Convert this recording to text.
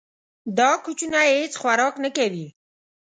دا کوچنی هیڅ خوراک نه کوي.